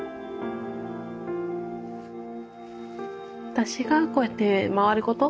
私がこうやって回ること